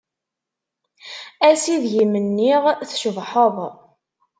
Ass ideg i m-nniɣ tcebḥeḍ.